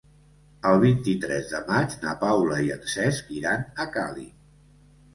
El vint-i-tres de maig na Paula i en Cesc iran a Càlig.